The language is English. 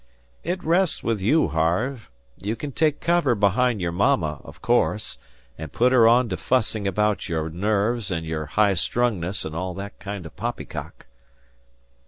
"It rests with you, Harve. You can take cover behind your mama, of course, and put her on to fussing about your nerves and your high strungness and all that kind of poppycock."